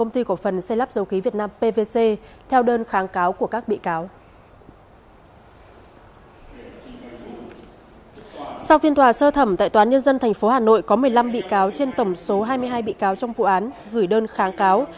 sau phiên tòa sơ thẩm tại tòa án nhân dân tp hà nội có một mươi năm bị cáo trên tổng số hai mươi hai bị cáo trong vụ án gửi đơn kháng cáo